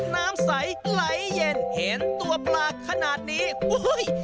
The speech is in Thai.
น้ำใสไหลเย็นเห็นตัวปลาขนาดนี้อุ้ย